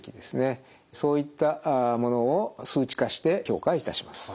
そういったものを数値化して評価いたします。